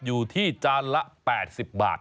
อยู่ที่จานละ๘๐บาท